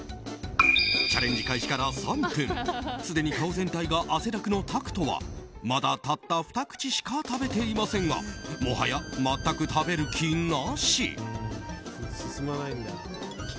チャレンジ開始から３分すでに顔全体が汗だくのタクトはまだ、たった２口しか食べていませんがもはや全く食べる気なし。